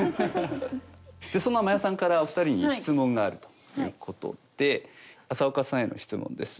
そんな真矢さんからお二人に質問があるということで浅丘さんへの質問です。